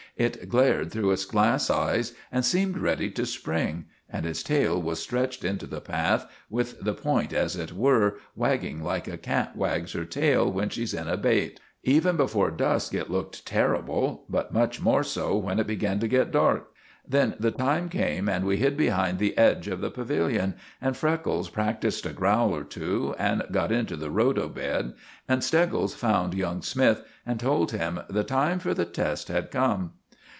It glared through its glass eyes and seemed ready to spring, and its tail was stretched into the path, with the point, as it were, wagging like a cat wags her tail when she's in a bate. Even before dusk it looked terrible, but much more so when it began to get dark. Then the time came, and we hid behind the edge of the pavilion, and Freckles practised a growl or two, and got into the rhodo. bed, and Steggles found young Smythe and told him the time for the test had come.